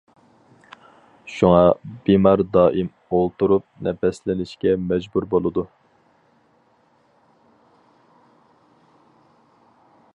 شۇڭا، بىمار دائىم ئولتۇرۇپ نەپەسلىنىشكە مەجبۇر بولىدۇ.